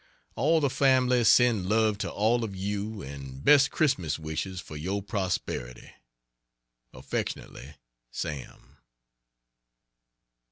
All the family send love to all of you and best Christmas wishes for your prosperity. Affectionately, SAM.